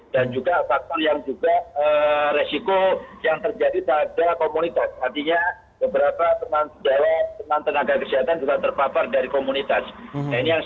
dan juga faktor yang juga resiko yang terjadi pada komunitas